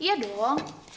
ya udah yuk